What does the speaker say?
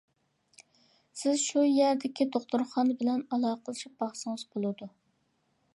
سىز شۇ يەردىكى دوختۇرخانا بىلەن ئالاقىلىشىپ باقسىڭىز بولىدۇ.